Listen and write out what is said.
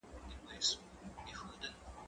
مځکه له سړک ښه ده؟!